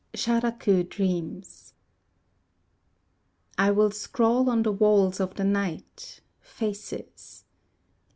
Sharaku Dreams I will scrawl on the walls of the night Faces.